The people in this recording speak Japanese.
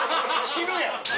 死ぬやん！